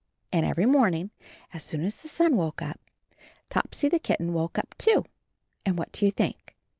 And every morning, as soon as the sun woke up, Topsy the kitten woke up, too — and what do you think?